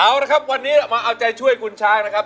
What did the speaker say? เอาละครับวันนี้เรามาเอาใจช่วยคุณช้างนะครับ